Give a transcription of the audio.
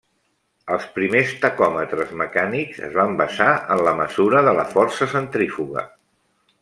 Els primers tacòmetres mecànics es van basar en la mesura de la força centrífuga.